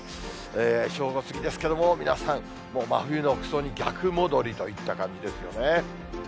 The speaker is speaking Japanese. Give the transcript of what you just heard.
正午過ぎですけれども、皆さん、真冬の服装に逆戻りといった感じですよね。